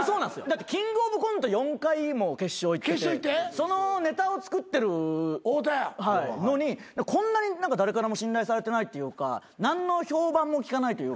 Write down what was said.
だってキングオブコント４回も決勝いっててそのネタを作ってるのにこんなに誰からも信頼されてないっていうか何の評判も聞かないというか。